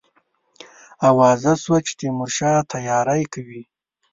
آوازه سوه چې تیمورشاه تیاری کوي.